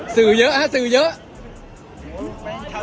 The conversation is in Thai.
สื่อเยอะฮะสื่อเยอะ